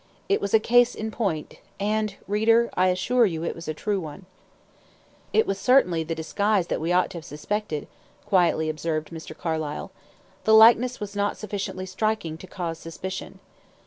It was a case in point; and reader I assure you it was a true one. "It was the disguise that we ought to have suspected," quietly observed Mr. Carlyle. "The likeness was not sufficiently striking to cause suspicion."